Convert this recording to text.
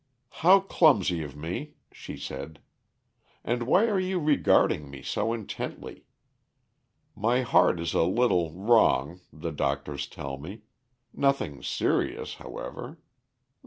"How clumsy of me!" she said. "And why are you regarding me so intently? My heart is a little wrong, the doctors tell me nothing serious, however.